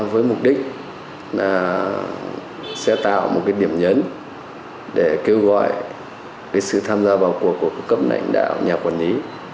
với mục đích là sẽ tạo một điểm nhấn để kêu gọi sự tham gia vào cuộc của cấp lãnh đạo nhà quản lý